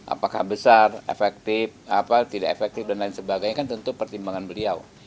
apakah besar efektif tidak efektif dan lain sebagainya kan tentu pertimbangan beliau